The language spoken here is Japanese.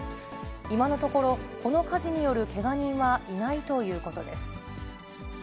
今のところ、この火事によるけが人はいないということです。